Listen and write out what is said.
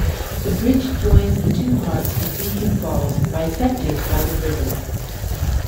The bridge joins the two parts of Beacon Falls bisected by the river.